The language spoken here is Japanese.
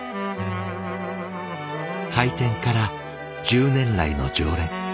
開店から１０年来の常連。